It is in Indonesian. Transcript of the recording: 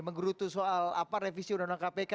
menguruti soal apa revisi undang undang kpk